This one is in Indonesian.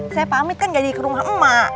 saya pamit kan gak jadi ke rumah emak